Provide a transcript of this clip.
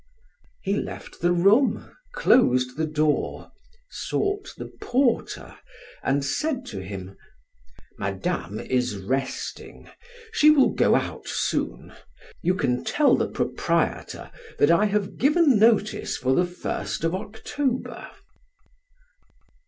He left the room, closed the door, sought the porter, and said to him: "Madame is resting. She will go out soon. You can tell the proprietor that I have given notice for the first of October."